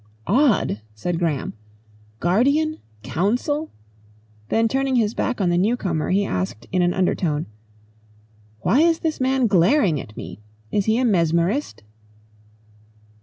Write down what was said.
"Odd!" said Graham. "Guardian? Council?" Then turning his back on the new comer, he asked in an undertone, "Why is this man glaring at me? Is he a mesmerist?"